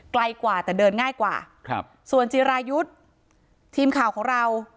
ไกลกว่าแต่เดินง่ายกว่าครับส่วนจิรายุทธ์ทีมข่าวของเรา